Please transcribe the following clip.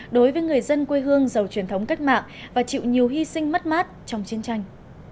đối với người dân quê hương giàu truyền thống cách mạng và chịu nhiều hy sinh mất mát trong chiến tranh